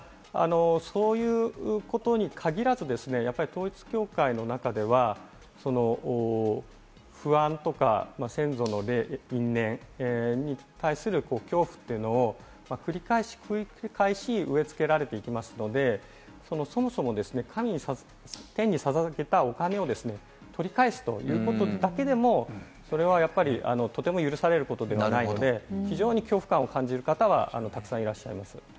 そういうことに限らず、統一教会の中では先祖の霊、因縁に対する恐怖というのを繰り返し繰り返し植え付けられていますので、そもそも天にささげたお金を取り返すということだけでも、それはやっぱり許されることではないので、非常に恐怖感を感じる方はたくさんいらっしゃいます。